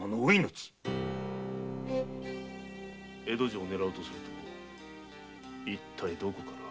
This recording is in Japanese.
江戸城を狙うとすると一体どこから？